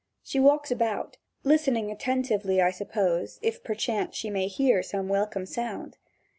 She walks about, listening attentively, I suppose, if perchance she may hear some welcome sound.